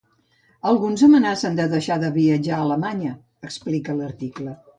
Alguns amenacen de deixar de viatjar a Alemanya, explica l’article.